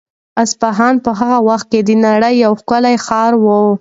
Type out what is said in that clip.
اصفهان په هغه وخت کې د نړۍ یو ښکلی ښار و.